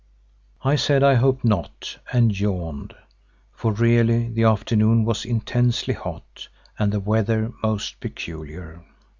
I said I hoped not and yawned, for really the afternoon was intensely hot and the weather most peculiar.